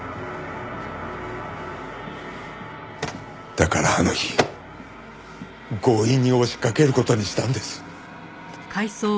だからあの日強引に押しかける事にしたんです。